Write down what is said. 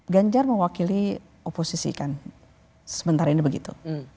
ganjar mewakili oposisi kan sebentar ini begitu